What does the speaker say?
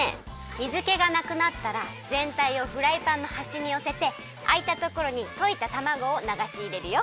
水けがなくなったらぜんたいをフライパンのはしによせてあいたところにといたたまごをながしいれるよ。